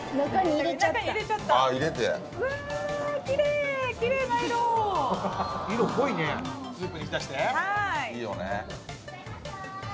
いいよね。